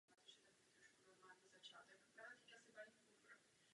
Proto se Jan přiklonil k polské straně.